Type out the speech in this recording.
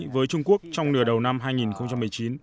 với trung quốc trong nửa đầu năm hai nghìn một mươi chín